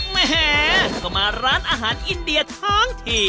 แหมก็มาร้านอาหารอินเดียทั้งที